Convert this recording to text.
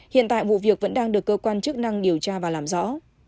hiện tại vụ việc vẫn đang được cơ quan chức năng điều tra và làm rõ